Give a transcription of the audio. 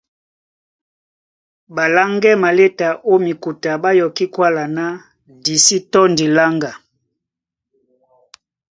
Ɓaláŋgɛ́ maléta ó mikuta ɓá yɔkí kwála ná di sí tɔ́ndi láŋga;